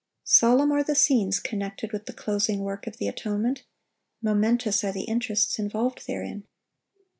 Solemn are the scenes connected with the closing work of the atonement. Momentous are the interests involved therein.